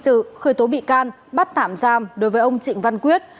sự khởi tố bị can bắt tạm giam đối với ông trịnh văn quyết